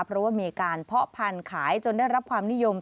เพราะว่ามีการเพาะพันธุ์ขายจนได้รับความนิยม